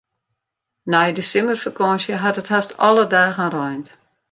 Nei de simmerfakânsje hat it hast alle dagen reind.